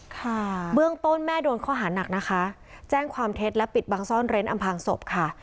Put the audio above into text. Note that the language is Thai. ค่ะเบื้องต้นแม่โดนข้อหานักนะคะแจ้งความเท็จและปิดบังซ่อนเร้นอำพางศพค่ะ